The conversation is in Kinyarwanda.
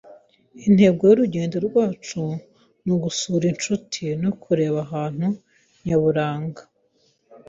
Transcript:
Intego y'urugendo rwacu ni ugusura inshuti no kureba ahantu nyaburanga.